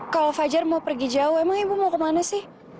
kalau fajar mau pergi jauh emang ibu mau kemana sih